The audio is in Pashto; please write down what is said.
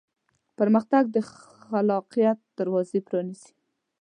پرمختګ د خلاقیت دروازې پرانیزي.